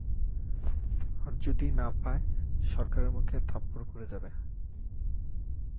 আর যদি না পায়, সরকারের মুখে থাপ্পড় পরে যাবে।